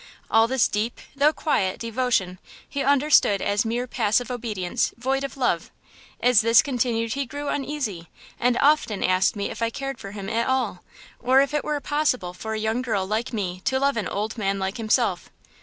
All this deep, though quiet, devotion he understood as mere passive obedience void of love. As this continued he grew uneasy, and often asked me if I cared for him at all, or if it were possible for a young girl like me to love an old man like himself."